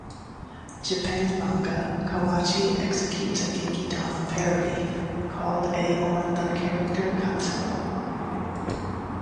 Japan" manga, Kawachi executes a "Genki-Dama" parody called a on the character Katsuo.